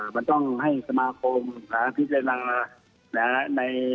มันต้องให้สมาคมพิจารณา